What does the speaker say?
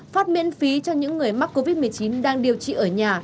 phát miễn phí cho những người mắc covid một mươi chín đang điều trị ở nhà